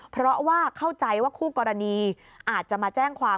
เพราะว่าเข้าใจว่าคู่กรณีอาจจะมาแจ้งความ